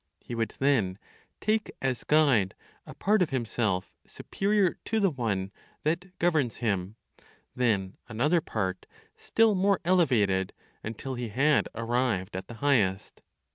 He would then take as guide a part of himself superior to the one that governs him, then another part, still more elevated until he had arrived at the highest.